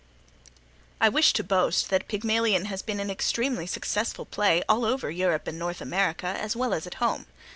I wish to boast that Pygmalion has been an extremely successful play all over Europe and North America as well as at home.